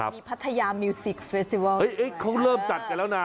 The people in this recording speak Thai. มีพัทยามิวสิกเฟสติวัลเขาเริ่มจัดกันแล้วนะ